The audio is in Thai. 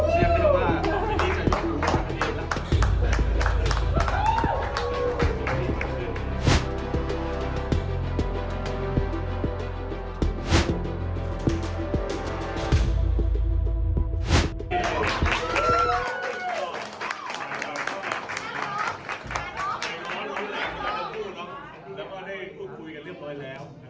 ไม่ใช่ว่าต่อไปที่จะหยุดคำว่าขนาดนี้แล้วกัน